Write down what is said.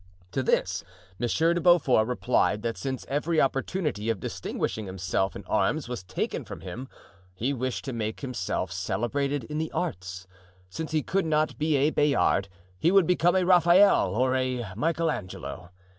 To this Monsieur de Beaufort replied that since every opportunity of distinguishing himself in arms was taken from him, he wished to make himself celebrated in the arts; since he could not be a Bayard, he would become a Raphael or a Michael Angelo.